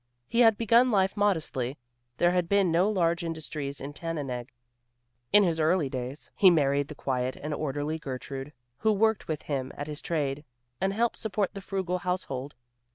He had begun life modestly; there had been no large industries in Tannenegg in his early days. He married the quiet and orderly Gertrude, who worked with him at his trade, and helped support the frugal household.